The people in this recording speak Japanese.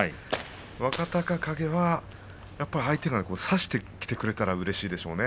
若隆景はやっぱり、相手が差して生きてくれたらうれしいでしょうね